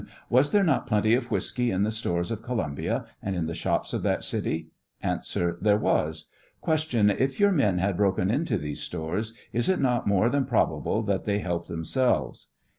Was there not plenty of whiskey in the stores of Columbia, and in the shops of that city ? A, There was. Q, If your men had broken into these stores is it not more than probable that they helped themselves